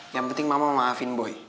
yang penting mama maafin boy